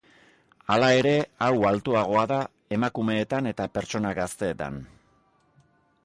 Hala ere hau altuagoa da emakumeetan eta pertsona gazteetan.